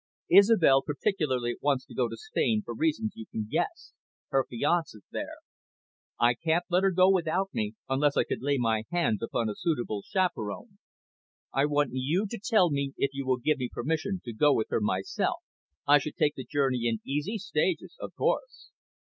Isobel particularly wants to go to Spain for reasons you can guess her fiance's there. I can't let her go without me, unless I could lay my hands upon a suitable chaperon. I want you to tell me if you will give me permission to go with her myself. I should take the journey in easy stages, of course."